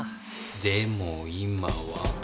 でも今は。